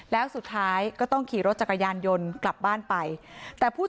แต่คนที่เบิ้ลเครื่องรถจักรยานยนต์แล้วเค้าก็ลากคนนั้นมาทำร้ายร่างกาย